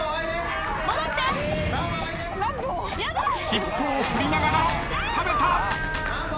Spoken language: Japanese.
尻尾を振りながら食べた。